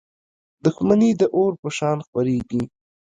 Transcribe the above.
• دښمني د اور په شان خپرېږي.